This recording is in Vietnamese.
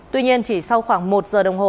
tuy nhiên chỉ sau khoảng một giờ đồng hồ